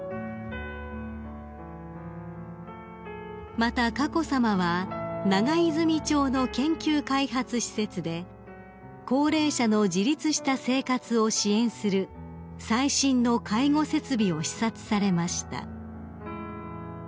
［また佳子さまは長泉町の研究開発施設で高齢者の自立した生活を支援する最新の介護設備を視察されました］